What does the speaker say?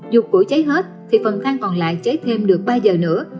dù củi cháy hết thì phần thang còn lại cháy thêm được ba giờ nữa